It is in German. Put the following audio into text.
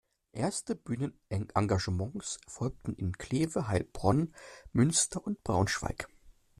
Erste Bühnenengagements folgten in Kleve, Heilbronn, Münster und Braunschweig.